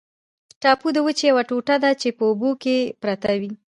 ټاپو د وچې یوه ټوټه ده چې په اوبو کې پرته وي.